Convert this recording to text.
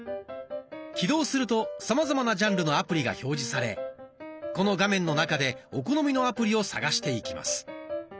起動するとさまざまなジャンルのアプリが表示されこの画面の中でお好みのアプリを探していきます。